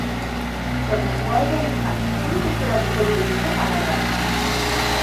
তবে ফয়েজ আলী খান পুরুষ উত্তরাধিকারী ব্যতীত মারা যান।